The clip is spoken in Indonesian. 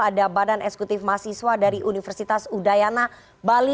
ada badan eksekutif mahasiswa dari universitas udayana bali